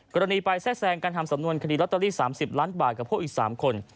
กรณีไปแทรกแซงการทำสำนวนคดีลอตเตอรี่๓๐ล้านบาทกับพวกอีก๓คน